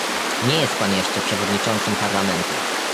Nie jest pan jeszcze przewodniczącym Parlamentu!